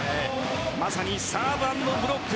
まさにサーブ＆ブロック。